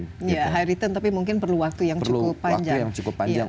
ya high return tapi mungkin perlu waktu yang cukup panjang